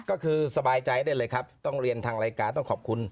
ก็คือสบายใจได้เลยครับต้องเรียนทางรายการต้องขอบคุณ